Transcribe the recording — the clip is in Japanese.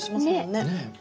ねえ。